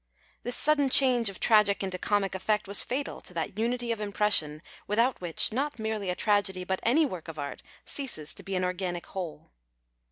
This sudden change of tragic into comic effect was fatal to that iniity of impression without which not merely a tragedy but any work of art ceases to be an organic whole.